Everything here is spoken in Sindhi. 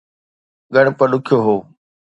ڳڻپ ڏکيو هو